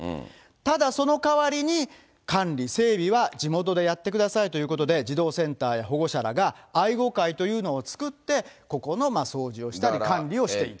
ただ、そのかわりに、管理、整備は地元でやってくださいということで、児童センターや保護者らが愛護会というのを作って、ここの掃除をしたり管理をしていた。